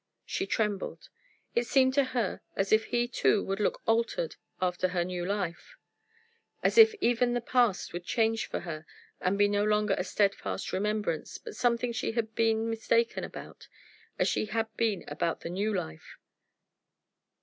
She trembled. It seemed to her as if he too would look altered after her new life as if even the past would change for her and be no longer a steadfast remembrance, but something she had been mistaken about, as she had been about the new life.